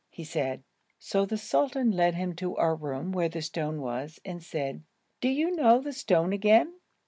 he said. So the sultan led him to our room, where the stone was, and said: 'Do you know the stone again?